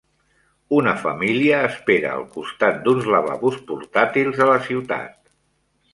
Una família espera al costat d'uns lavabos portàtils a la ciutat.